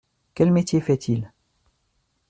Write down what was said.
Quel métier fait-il ?